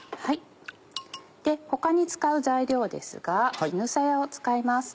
他に使う材料ですが絹さやを使います。